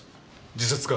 自殺か？